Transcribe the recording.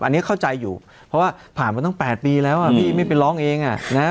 อันนี้เข้าใจอยู่เพราะว่าผ่านมาตั้ง๘ปีแล้วอ่ะพี่ไม่ไปร้องเองอ่ะนะ